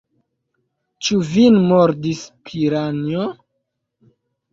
Ĉu vin mordis piranjo?